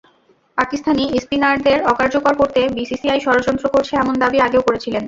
পাকিস্তানি স্পিনারদের অকার্যকর করতে বিসিসিআই ষড়যন্ত্র করছে, এমন দাবি আগেও করেছিলেন।